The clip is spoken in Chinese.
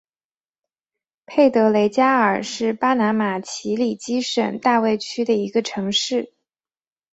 佩德雷加尔是巴拿马奇里基省大卫区的一个城市。